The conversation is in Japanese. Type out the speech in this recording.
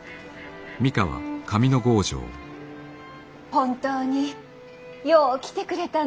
本当によう来てくれたなあ。